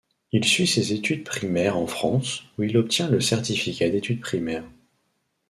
Il suit ses études primaires en France où il obtient le certificat d’études primaires.